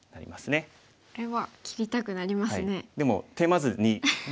これは切りたくなりますね。